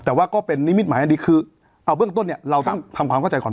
แต่ว่าก็เป็นนิมิตหมายอันดีคือเอาเบื้องต้นเนี่ยเราต้องทำความเข้าใจก่อน